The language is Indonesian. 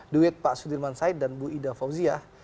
duit pak sudirman said dan bu ida fauziah